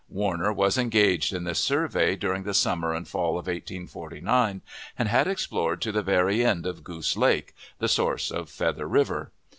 Warner was engaged in this survey during the summer and fall of 1849, and had explored, to the very end of Goose Lake, the source of Feather River.